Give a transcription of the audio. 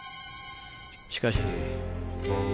しかし。